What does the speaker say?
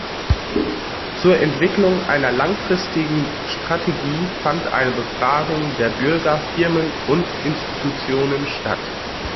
Zur Entwicklung einer langfristigen Strategie fand eine Befragung der Bürger, Firmen und Institutionen statt.